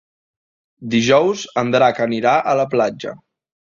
Dijous en Drac anirà a la platja.